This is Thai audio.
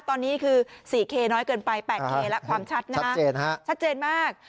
ตอนนี้คือ๔เคน้อยเกินไป๘เคแล้วความชัดนะฮะชัดเจนฮะชัดเจนมาก